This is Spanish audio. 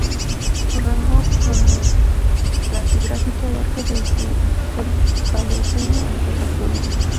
Su rango cronoestratigráfico abarca desde el Paleoceno hasta la Actualidad.